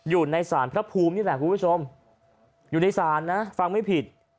อยู่ในศาลพระภูมินี่แหละคุณผู้ชมอยู่ในศาลนะฟังไม่ผิด